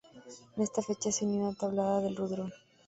En esta fecha se unió a Tablada del Rudrón.